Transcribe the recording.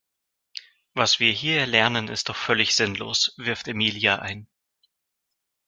Was wir hier lernen ist doch völlig sinnlos, wirft Emilia ein.